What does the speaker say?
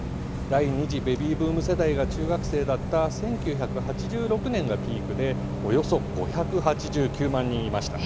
第２次ベビーブーム世代が中学生だった１９８６年がピークでおよそ５８９万人いました。